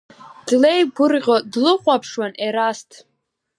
Длеигәырӷьо длыхәаԥшуан Ерасҭ.